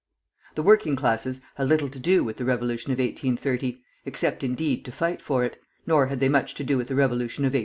The working classes had little to do with the Revolution of 1830, except, indeed, to fight for it, nor had they much to do with the Revolution of 1848.